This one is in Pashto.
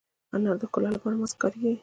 انار د ښکلا لپاره ماسک کې کارېږي.